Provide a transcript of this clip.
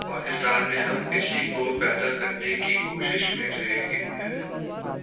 پاکستان میں ہم اسی کو پیدا کرنے کی کوشش میں رہے ہیں۔